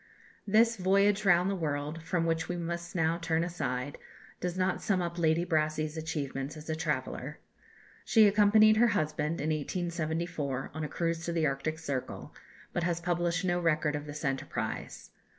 " This "Voyage Round the World," from which we must now turn aside, does not sum up Lady Brassey's achievements as a traveller. She accompanied her husband, in 1874, on a cruise to the Arctic Circle, but has published no record of this enterprise.